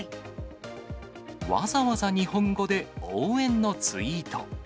わざわざ日本語で応援のツイート。